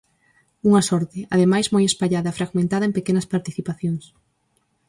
Unha sorte, ademais, moi espallada, fragmentada en pequenas participacións.